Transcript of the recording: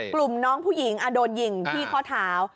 น้องผู้หญิงโดนยิงที่ข้อเท้า